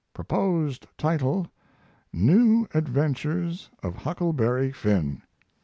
Proposed title New Adventures of Huckleberry Finn.